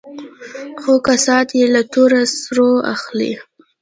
خو كسات يې له تور سرو اخلي.